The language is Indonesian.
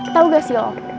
tau gak sih lo